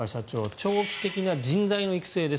長期的な人材の育成です。